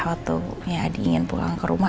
waktu adik ingin pulang ke rumah